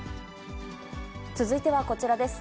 続いてはこちらです。